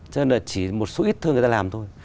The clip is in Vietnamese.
cho nên là chỉ một số ít thương người ta làm thôi